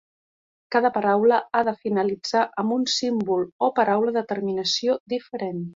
Cada paraula ha de finalitzar amb un símbol o paraula de terminació diferent.